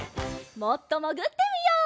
もっともぐってみよう。